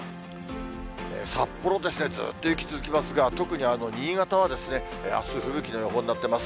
札幌ですね、ずっと雪続きますが、特に新潟はあす、吹雪の予報になっています。